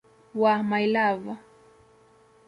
wa "My Love".